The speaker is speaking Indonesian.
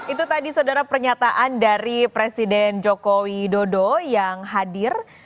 itu tadi saudara pernyataan dari presiden joko widodo yang hadir